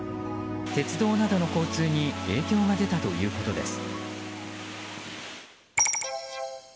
鉄道などの交通に影響が出たということです。